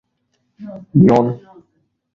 یون